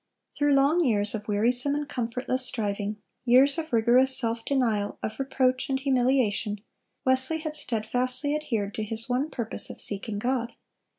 (373) Through long years of wearisome and comfortless striving,—years of rigorous self denial, of reproach and humiliation,—Wesley had steadfastly adhered to his one purpose of seeking God.